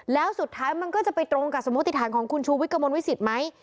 แล้วสุดท้ายมันก็จะไปตรงกับสมมุติฐานของคุณชูวิทย์กระมวลวิสิตไหม